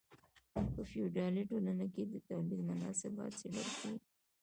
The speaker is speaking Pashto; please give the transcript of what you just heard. په فیوډالي ټولنه کې د تولید مناسبات څیړل کیږي.